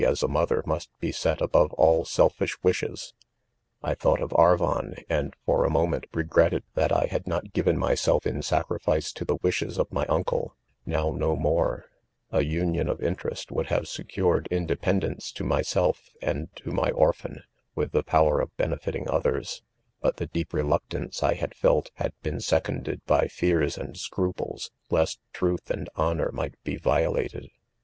as.a &0theT> must be. setjaboye all selfish :' THE CONFESSIONS'* 16§ wishes. I thought of' Arvon, and, for a mo ment, regretted that I had not given myself in sacrifice to the wishes of my uncle, now no more j a union of interest would have secured independence to myself and to my orphan,, with the power of benefiting other's; but the 'deep 'reluctance I had felt, had been seconded by fears and scruples, lest truth and hono? might be violated.